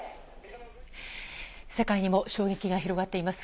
世界にも衝撃が広がっています。